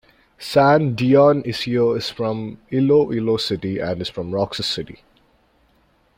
San Dionisio is from Iloilo City and is from Roxas City.